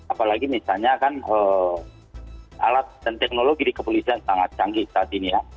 apalagi misalnya kan alat dan teknologi di kepolisian sangat canggih saat ini ya